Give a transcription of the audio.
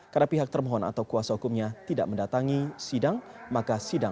karena pihak termohon atau kuasa hukumnya tidak mendapatkan